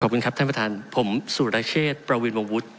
ขอบคุณครับท่านประธานผมสุรเชษประวินวงวุฒิ